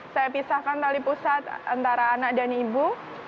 saya pisahkan tali pusat antara anak dan ibu